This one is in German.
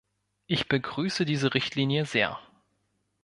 Ich begrüße diese Richtlinie sehr.